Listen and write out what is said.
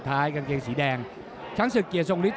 ถ้าจะได้แล้วไม่ต่อเนื่องด้วย